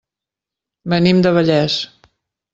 Venim de Vallés.